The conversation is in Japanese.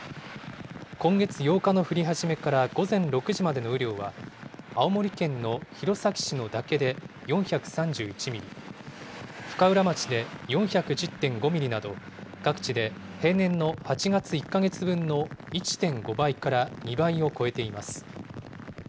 今月８日の降り始めから午前６時までの雨量は、青森県の弘前市の岳で４３１ミリ、深浦町で４１０．５ミリなど、各地で平年の８月１か月分の１．５倍から２倍を超えています。